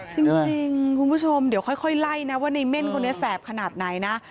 ใช่ไหมจริงจริงคุณผู้ชมเดี๋ยวค่อยค่อยไล่นะว่าในเม่นคนนี้แสบขนาดไหนน่ะ